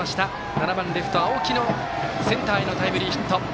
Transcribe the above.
７番レフト、青木のセンターへのタイムリーヒット。